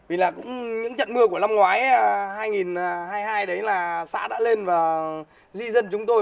vì là những trận mưa của năm ngoái hai nghìn hai mươi hai đấy là xã đã lên và di dân chúng tôi